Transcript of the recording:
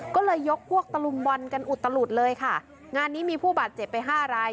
ก็เลยยกพวกตะลุมบอลกันอุตลุดเลยค่ะงานนี้มีผู้บาดเจ็บไปห้าราย